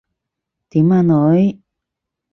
點呀，女？